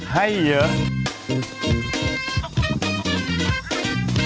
ให้เยอะ